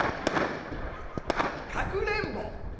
「かくれんぼ」。